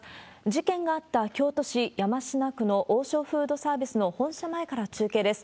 事件があった京都市山科区の王将フードサービスの本社前から中継です。